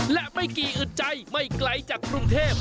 และไม่กี่อึดใจไม่ไกลจากกรุงเทพ